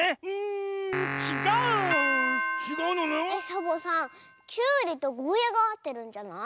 サボさんきゅうりとゴーヤーがあってるんじゃない？